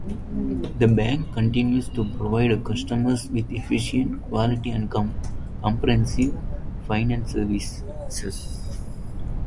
The Bank continues to provide customers with efficient, quality and comprehensive financial services.